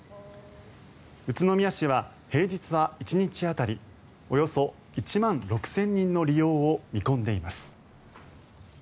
宇都宮市は平日は、１日当たりおよそ１万６０００人の利用を見込んでいます。